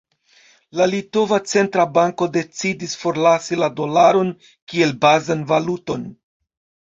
La litova centra banko decidis forlasi la dolaron kiel bazan valuton.